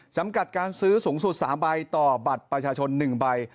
จำกัดการซื้อสูงสุด๓ใบต่อบัตรประชาชน๑ใบ